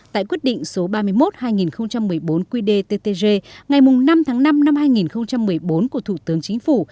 tại quyết định số ba mươi một hai nghìn một mươi bốn qd ttg ngày năm năm hai nghìn một mươi bốn của thủ tướng chính phủ